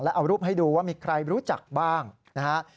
เอารูปให้ดูว่ามีใครรู้จักบ้างนะฮะ